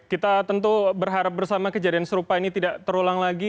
kita tentu berharap bersama kejadian serupa ini tidak terulang lagi